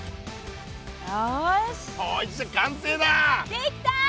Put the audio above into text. できた！